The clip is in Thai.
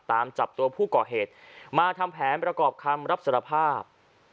ตามจับตัวผู้ก่อเหตุมาทำแผนประกอบคำรับสารภาพ